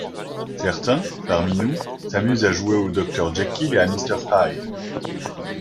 Certains, parmi nous, s’amusent à jouer au Dr Jekyll et à Mr Hyde.